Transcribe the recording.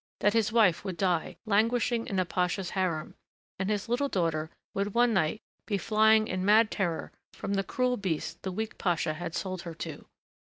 that his wife would die, languishing in a pasha's harem, and his little daughter would one night be flying in mad terror from the cruel beast the weak pasha had sold her to!